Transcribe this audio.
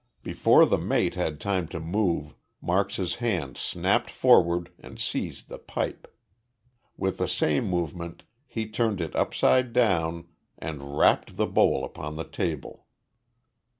Before the mate had time to move, Marks's hand snapped forward and seized the pipe. With the same movement he turned it upside down and rapped the bowl upon the table.